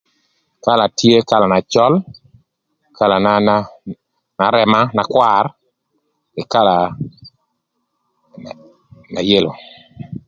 Kala tye kala na cöl, kala na na rëma na kwar, ëka kï kala na yelo.